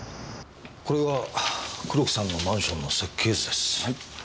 これが黒木さんのマンションの設計図です。